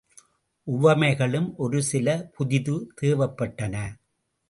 உவமைகளும் ஒரு சில புதிது தேவைப்பட்டன.